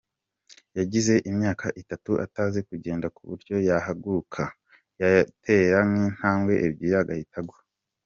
Yagize imyaka itatu atazi kugenda kuburyo yahagurukaga, yatera nk’intambwe ebyiri agahita agwa.